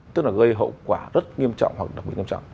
tức là gây hậu quả rất nghiêm trọng hoặc đặc biệt nghiêm trọng